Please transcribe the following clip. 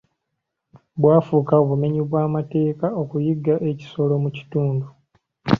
Bwafuuka obumenyi bw'amateeka okuyigga ekisolo mu kitundu.